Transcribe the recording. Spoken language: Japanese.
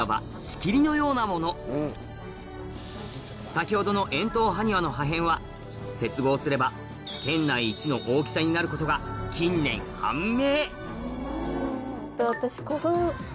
先ほどの円筒埴輪の破片は接合すればの大きさになることが近年判明私。